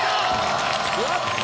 やった！